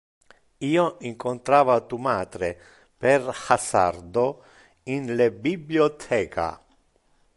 Io incontrava tu matre per hasardo in le bibliotheca.